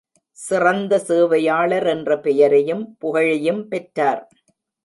சிறந்த சேவையாளர் என்ற பெயரையும், புகழையும் பெற்றார்.